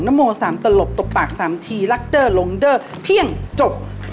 นโมสามตลบตกปากสามทีรักเด้อหลงเด้อเพี่ยงจบ